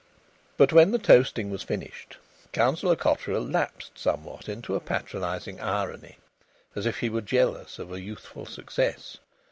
But when the toasting was finished, Councillor Cotterill lapsed somewhat into a patronising irony, as if he were jealous of a youthful success.